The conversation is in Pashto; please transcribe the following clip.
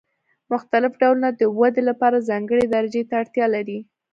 مختلف ډولونه د ودې لپاره ځانګړې درجې ته اړتیا لري.